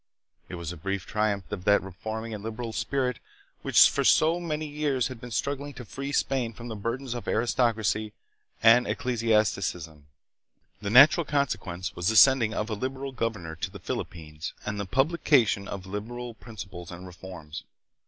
It was the brief triumph of that reforming and liberal spirit which for so many years had been strug gling to free Spain from the burdens of aristocracy and ecclesiasticism. The natural consequence was the sending of a liberal governor to the Philippines and the publication of liberal principles and reforms.